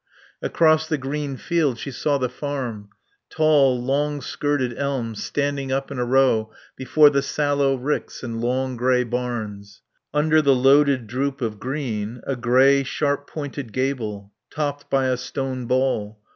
Across the green field she saw the farm. Tall, long skirted elms standing up in a row before the sallow ricks and long grey barns. Under the loaded droop of green a grey sharp pointed gable, topped by a stone ball.